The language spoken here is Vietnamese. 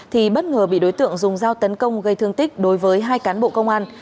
vừa bị đối tượng dùng dao tấn công gây thương tích đối với hai cán bộ công an